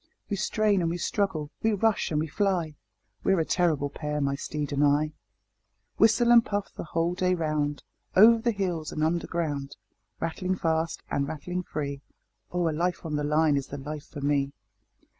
We strain and we struggle, we rush and we fly We're a terrible pair, my steed and I. Chorus Whistle and puff the whole day round, Over the hills and underground. Rattling fast and rattling free Oh! a life on the line is the life for me.